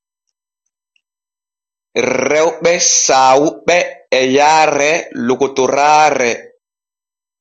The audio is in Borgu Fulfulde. Rewɓe saawuɓe e yaare lokotoraare.